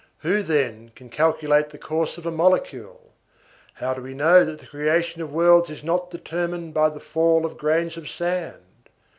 Who, then, can calculate the course of a molecule? How do we know that the creation of worlds is not determined by the fall of grains of sand?